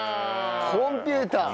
コンピューター！